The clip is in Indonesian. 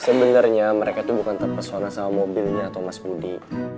sebenarnya mereka itu bukan terpesona sama mobilnya atau mas budi